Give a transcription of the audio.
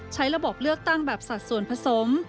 ใช้ระบบเลือกตั้งแบบสัดส่วนผสม